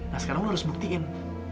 nah sekarang lo harus buktiin